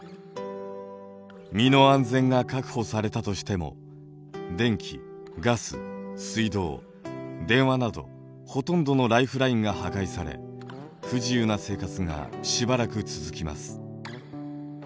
身の安全が確保されたとしても電気ガス水道電話などほとんどのライフラインが破壊され不自由な生活がしばらく続きます。